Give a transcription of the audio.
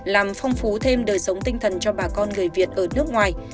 làm phong phú thêm đời sống tinh thần cho bà con người việt ở nước ngoài